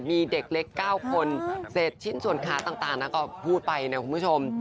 มีเด็กเล็ก๙คนเศษชิ้นส่วนขาต่างนะก็พูดไปนะคุณผู้ชม